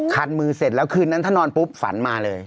คันมือเสร็จแล้วคืนนั้นถ้านอนปุ๊บฝันมาเลย